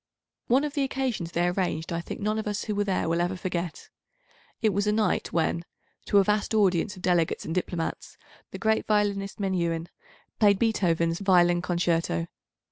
One of the occasions they arranged I think none of us who were there will ever forget. It was a night when, to a vast audience of delegates and diplomats, the great violinist Menuhin played Beethoven's Violin Concerto.